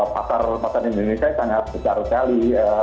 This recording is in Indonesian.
pakar pakar indonesia sangat besar sekali